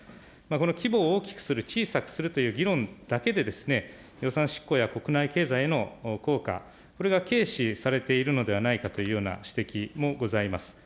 この規模を大きくする、小さくするという議論だけでですね、予算執行や国内経済への効果、これが軽視されているのではないかというような指摘もございます。